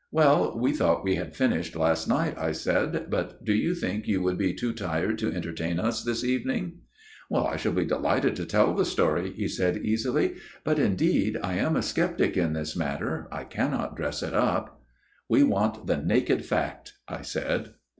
"Well; we thought we had finished last night," I said, " but do you think you would be too tired to entertain us this evening ?"" I shall be delighted to tell the story," he said easily. " But indeed I am a sceptic in this matter ; I cannot dress it up." " We want the naked fact," I said.